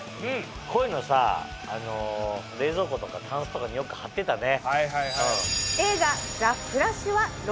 こういうの冷蔵庫とかたんすとかによく貼ってたね。